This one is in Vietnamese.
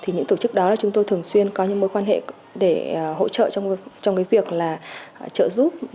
thì những tổ chức đó là chúng tôi thường xuyên có những mối quan hệ để hỗ trợ trong việc trợ giúp